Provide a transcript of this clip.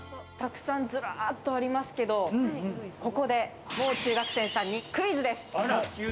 たくさんズラっとありますけど、ここで、もう中学生さんにクイズです。